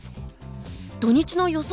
土日の予想